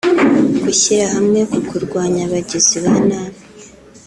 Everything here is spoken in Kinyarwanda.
gushyirahamwe ku kurwanya abagizi ba nabi